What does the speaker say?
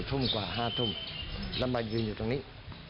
ทุ่มกว่า๕ทุ่มแล้วมายืนอยู่ตรงนี้